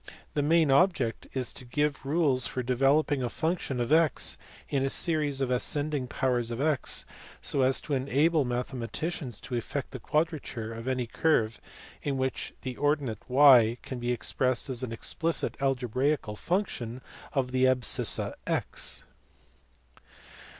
The main object is to give rules for developing a function of a? in a series in ascending powers of x, so as to enable mathematicians to effect the quadrature of any curve in which the ordinate y can be ex pressed as an explicit algebraical function of the abscissa x.